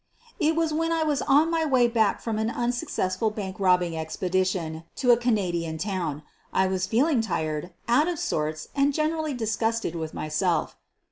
It was when I was on my way back from an un successful bank robbing expedition to a Canadian town. I was feeling tired, out of sorts and generally disgusted with myself.